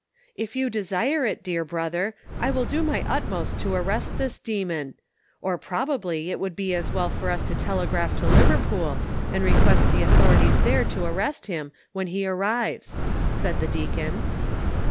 "If you desire it, dear brother, I will do my utmost to arrest this demon ; or, probably, it would be as well for us to telegraph to Liverpool, and request the authorities there to arrest him, when he arrives," said the deacon.